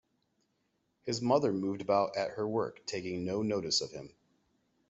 His mother moved about at her work, taking no notice of him.